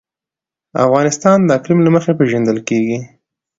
افغانستان د اقلیم له مخې پېژندل کېږي.